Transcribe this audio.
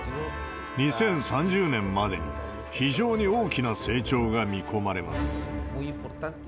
２０３０年までに非常に大きな成長が見込まれます。